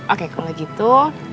oke kalau gitu